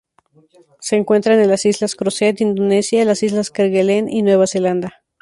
Se encuentran en las Islas Crozet, Indonesia, las Islas Kerguelen y Nueva Zelanda.